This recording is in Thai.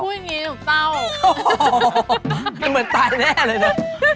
พูดอย่างงี้ถูกเต้าโอ้โฮมันเหมือนตายแน่เลยนะ